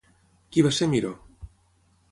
Qui va ser Miró?